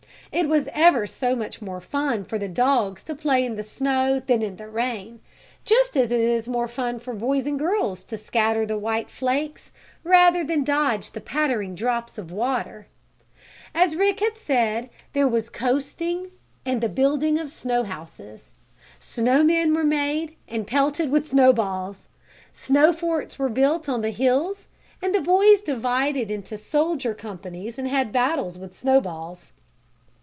It was ever so much more fun for the dogs to play in the snow than in the rain, just as it is more fun for boys and girls to scatter the white flakes rather than dodge the pattering drops of water. As Rick had said, there was coasting and the building of snow houses. Snow men were made, and pelted with snowballs. Snow forts were built on the hills and the boys divided into soldier companies and had battles with snowballs.